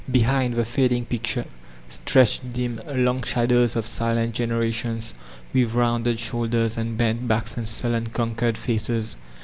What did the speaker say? Behind the fading picture, stretched dim, long shadows of silent generations, with rounded shoulders and bent backs and sullen, conquered faces.